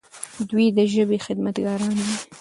دوی د ژبې خدمتګاران دي.